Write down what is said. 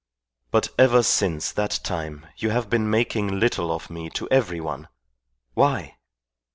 But ever since that time you have been making little of me to everyone. Why?